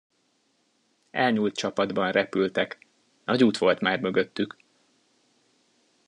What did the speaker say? Elnyúlt csapatban repültek, nagy út volt már mögöttük!